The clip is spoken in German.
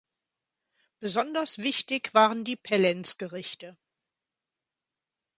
Besonders wichtig waren die Pellenz-Gerichte.